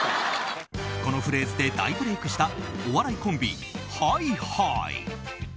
このフレーズで大ブレークしたお笑いコンビＨｉ‐Ｈｉ。